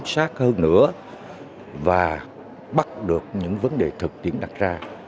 sát hơn nữa và bắt được những vấn đề thực tiễn đặt ra